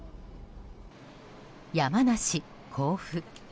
山梨・甲府。